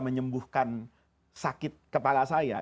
menyembuhkan sakit kepala saya